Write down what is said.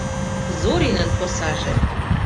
Зоринын косаже.